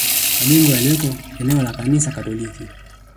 Majengo yaliyoko eneo la Kanisa Katoliki